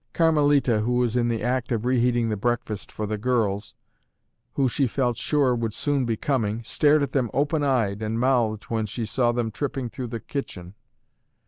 Carmelita, who was in the act of reheating the breakfast for the girls, who she felt sure would soon be coming, stared at them open eyed and mouthed when she saw them tripping through the kitchen.